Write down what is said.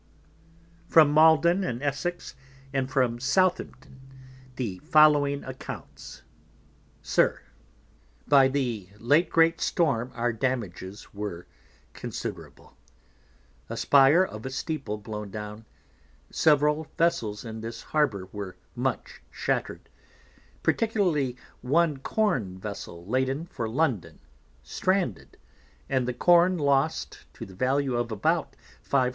From Malden in Essex, and from Southampton, the following Accounts. SIR, By the late great Storm our Damages were considerable. A Spire of a Steeple blown down: Several Vessels in this Harbour were much shatter'd, particularly one Corn Vessel laden for London, stranded, and the Corn lost to the Value of about 500 _l.